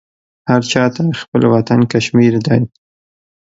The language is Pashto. هر چاته خپل وطن کشمیر دی